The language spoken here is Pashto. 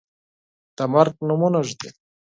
د مرګ نومونه ږدي